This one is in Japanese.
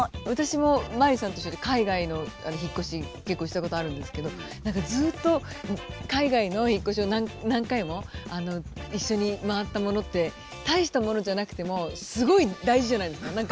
私もマリさんと一緒で海外の引っ越し結構したことあるんですけど何かずっと海外の引っ越しを何回も一緒に回ったものって大したものじゃなくてもすごい大事じゃないですか。